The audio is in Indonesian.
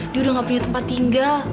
dia udah gak punya tempat tinggal